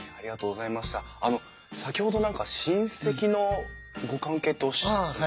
あの先ほど何か親戚のご関係っておっしゃってましたよね？